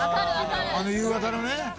あの夕方のね。